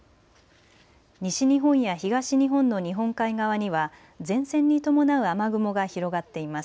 西日本や東日本の日本海側には前線に伴う雨雲が広がっています。